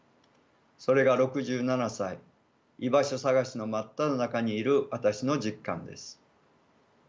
それが６７歳居場所探しの真っただ中にいる私の実感です。